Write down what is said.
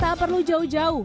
tak perlu jauh jauh